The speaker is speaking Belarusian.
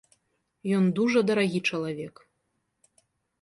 Ён дужа дарагі чалавек.